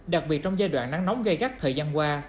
đặc biệt trong giai đoạn nắng nóng gây gắt thời gian qua